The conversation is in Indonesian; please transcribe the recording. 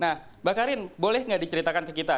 nah mbak karin boleh nggak diceritakan ke kita